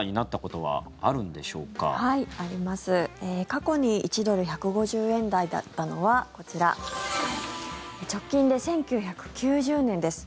過去に１ドル＝１５０円台だったのはこちら、直近で１９９０年です。